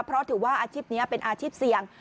เพราะถือว่าอาชีพนี้เป็นอาชีพเสี่ยง